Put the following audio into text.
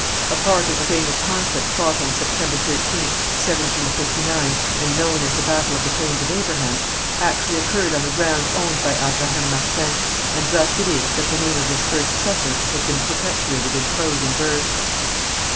A part of the famous conflict fought on September 13th, 1759, and known as the Battle of the Plains of Abraham, actually occurred on the ground owned by Abraham Martin, and thus it is that the name of this first settler has been perpetuated in prose and verse.